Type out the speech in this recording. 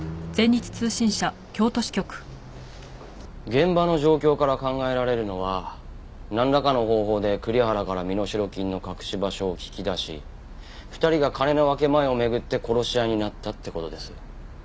現場の状況から考えられるのはなんらかの方法で栗原から身代金の隠し場所を聞き出し２人が金の分け前を巡って殺し合いになったって事です。